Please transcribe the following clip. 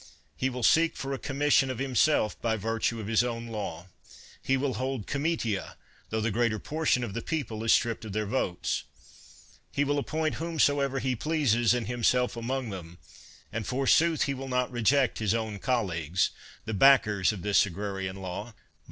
He will seek for a commis sion for himself by virtue of his own law ; he will hold comitia, tho the greater portion of the people is stripped of their votes ; he will appoint whomsoever he pleases, and himself among them ; and forsooth he will not reject his own col leags — the backers of this agrarian law; by > PaUios Servilltts Bullus, a tribune of the people.